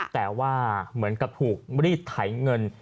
แต่ว่าเหมือนกับถูกรีดไถเงิน